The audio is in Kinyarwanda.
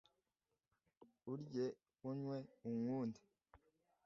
Urye unywe unkunde